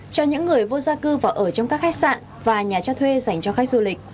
cho những người vô gia cư và ở trong các khách sạn và nhà cho thuê dành cho khách du lịch